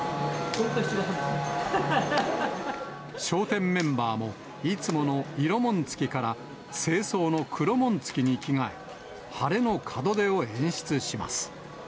笑点メンバーも、いつもの色紋付きから正装の黒紋付きに着替え、晴れの門出を演出します。